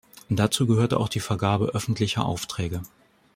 Dazu gehört auch die Vergabe öffentlicher Aufträge.